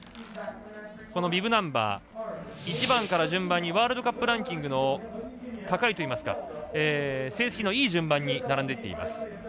このビブナンバー１番から順番にワールドカップランキングの高いといいますか成績のいい順番に並んでいっています。